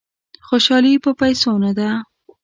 خوشالي په پیسو نه ده.